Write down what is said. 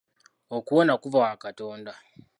Okuwona kuva wa katonda.